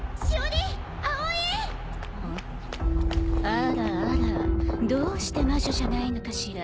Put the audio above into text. あらあらどうして魔女じゃないのかしら。